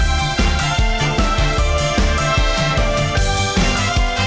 สวัสดีค่ะ